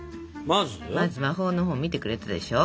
まず魔法の本を見てくれてたでしょ？